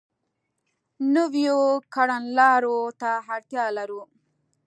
نویو کړنلارو ته اړتیا لرو.